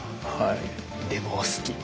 でもお好き？